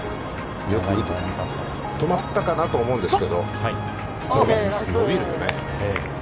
止まったかなと思うんですけど、これがすごいのよね。